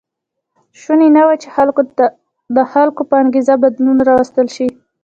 شونې نه وه چې کار ته د خلکو په انګېزه بدلون راوستل شي.